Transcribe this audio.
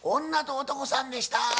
女と男さんでした。